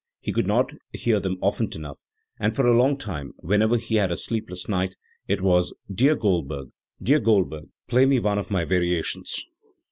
He could not hear them often enough, and for a long time, whenever h had a sleepless night, it was "Dear Goldberg, play me one of my variations.